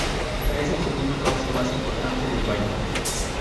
Es el segundo cauce más importante del valle.